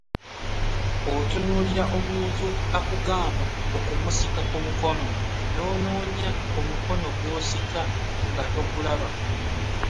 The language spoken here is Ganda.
Otunuulira omuntu akugamba okumusika ku mukono, n’onoonya omukono gw’osika nga togulaba!